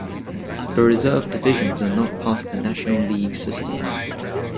The reserve divisions are not part of the National League system.